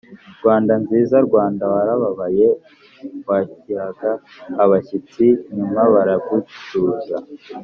Rwanda nziza rwanda warababaye wakiraga abashyitsi nyuma baragucyuza